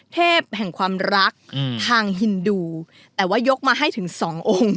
เทพแห่งความรักทางฮินดูแต่ว่ายกมาให้ถึงสององค์